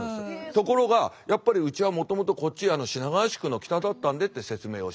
ところがやっぱりうちはもともとこっち品川宿の北だったんでって説明をしたり。